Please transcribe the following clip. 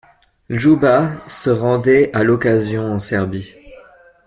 Ljuba se rendait à l'occasion en Serbie.